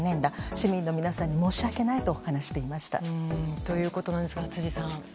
市民の皆さんに申し訳ないとということですが、辻さん。